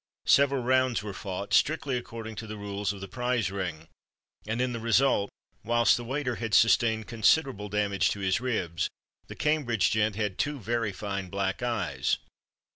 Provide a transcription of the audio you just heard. Several rounds were fought, strictly according to the rules of the Prize Ring, and in the result, whilst the waiter had sustained considerable damage to his ribs, the "Cambridge gent" had two very fine black eyes.